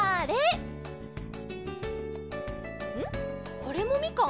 これもみかん？